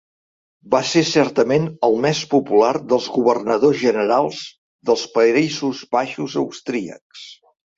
Va ser certament el més popular dels governadors generals dels Països Baixos austríacs.